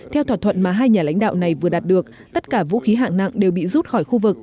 theo thỏa thuận mà hai nhà lãnh đạo này vừa đạt được tất cả vũ khí hạng nặng đều bị rút khỏi khu vực